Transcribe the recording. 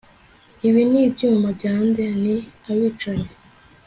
ibi ni ibyuma bya nde? ni abicanyi